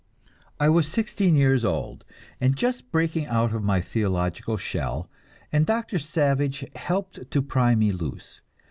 I was sixteen years old, and just breaking out of my theological shell, and Doctor Savage helped to pry me loose.